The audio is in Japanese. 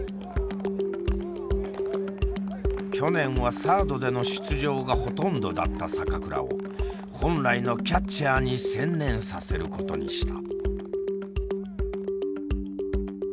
去年はサードでの出場がほとんどだった坂倉を本来のキャッチャーに専念させることにした。